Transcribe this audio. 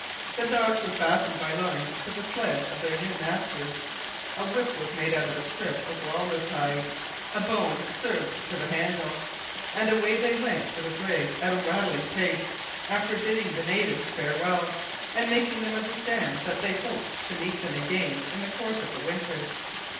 The dogs were fastened by lines to the sledge of their new masters. A whip was made out of a strip of walrus hide, a bone served for a handle, and away they went for the brig at a rattling pace, after bidding the natives farewell, and making them understand that they hoped to meet again in the course of the winter.